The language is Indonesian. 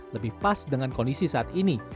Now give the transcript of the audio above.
lebih pas dengan kondisi saat ini